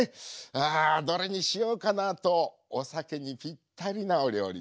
あどれにしようかな。とお酒にぴったりなお料理